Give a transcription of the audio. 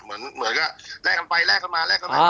เหมือนกับแลกกันไปแลกกันมา